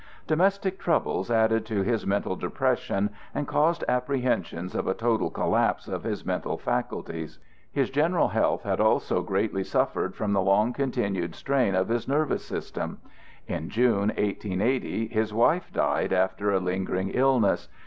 Domestic troubles added to his mental depression, and caused apprehensions of a total collapse of his mental faculties. His general health had also greatly suffered from the long continued strain of his nervous system. In June, 1880, his wife died after a lingering illness.